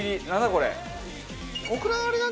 これ。